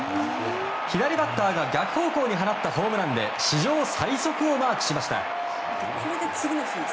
左バッターが逆方向に放ったホームランで史上最速をマークしました。